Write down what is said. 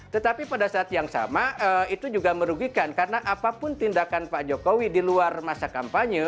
tetapi pada saat yang sama itu juga merugikan karena apapun tindakan pak jokowi di luar masa kampanye